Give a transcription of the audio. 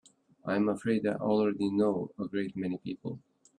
I'm afraid I already know a great many people.